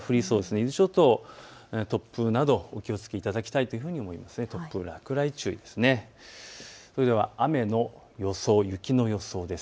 伊豆諸島、突風などお気をつけいただきたいというふうに思います。